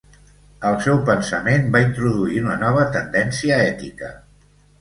El seu pensament va introduir una nova tendència ètica.